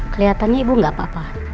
kelihatannya ibu gak apa apa